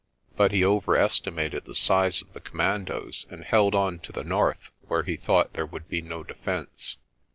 But he overestimated the size of the commandoes and held on to the north where he thought there would be no defence.